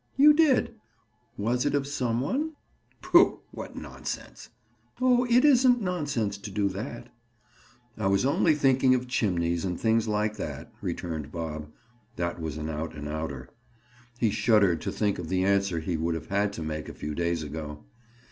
"You did. Was it of some one?" "Pooh! What nonsense!" "Oh, it isn't nonsense to do that." "I was only thinking of chimneys and things like that," returned Bob. That was an out and outer. He shuddered to think of the answer he would have had to make a few days ago.